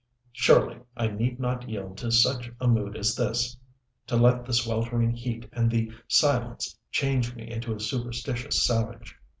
Surely I need not yield to such a mood as this, to let the sweltering heat and the silence change me into a superstitious savage.